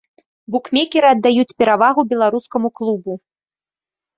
Букмекеры аддаюць перавагу беларускаму клубу.